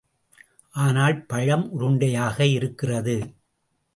ஆனால் பழம் உருண்டையாக இருக்கிறது.